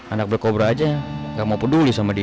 anak berkobra aja gak mau peduli sama dia